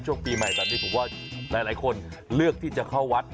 ช่วงปีใหม่ตอนนี้เพิ่มว่าหลายคนเลือกที่จะเข้าวัตต์